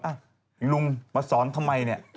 ลุงมาสอนทำไมเนี่ย